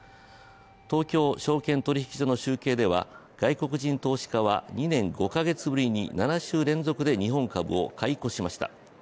東京証券取引所の集計では外国人投資家は２年５か月ぶりに７週連続で日本株を買い越しました。